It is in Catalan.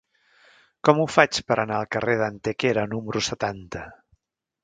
Com ho faig per anar al carrer d'Antequera número setanta?